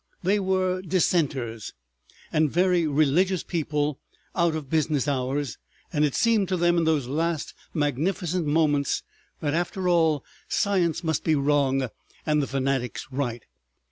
They were Dissenters, and very religious people out of business hours, and it seemed to them in those last magnificent moments that, after all, science must be wrong and the fanatics right.